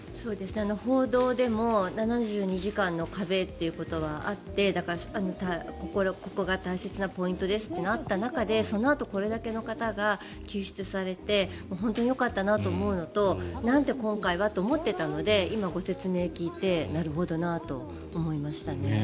報道でも７２時間の壁というのはあってだから、ここが大切なポイントですとなった中でそのあとこれだけの方が救出されて本当によかったなと思うのとなんで今回はと思っていたので今、ご説明を聞いてなるほどなと思いましたね。